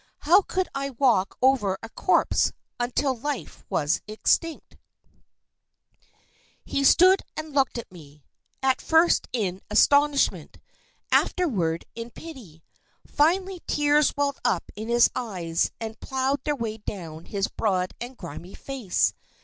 How could I walk over a corpse until life was extinct? He stood and looked at me, at first in astonishment, afterward in pity. Finally tears welled up in his eyes and plowed their way down his broad and grimy face.